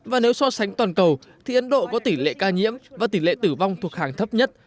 và nếu so sánh toàn cầu thì ấn độ có tỷ lệ ca nhiễm và tỷ lệ tử vong thuộc hàng thấp nhất